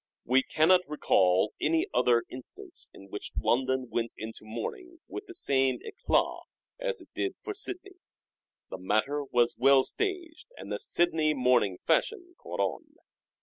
We cannot recall any other instance in which London went into mourning with the same 6clat as it did for Sidney. The matter was well staged and the Sidney mourning fashion caught on.